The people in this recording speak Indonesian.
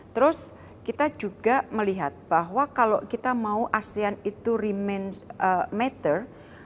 terus kita juga melihat bahwa kalau kita mau asean itu remain matter